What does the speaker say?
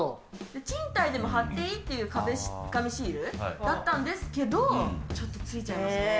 賃貸でも貼っていいっていう壁紙シールだったんですけど、ちょっとついちゃいましたね。